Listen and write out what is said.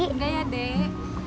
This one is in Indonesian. enggak ya dek